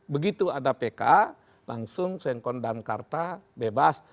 begitu ada pk langsung sengkontar dan karta bebas